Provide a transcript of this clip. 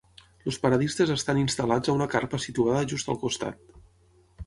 Els paradistes estan instal·lats a una carpa situada just al costat.